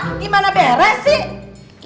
gimana beres sih